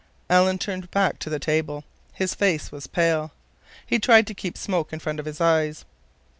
Alan turned back to the table. His face was pale. He tried to keep smoke in front of his eyes.